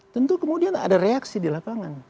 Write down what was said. tentu kemudian ada reaksi di lapangan